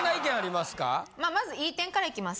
まずいい点からいきます。